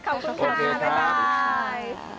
ขอบคุณค่ะบ๊ายบาย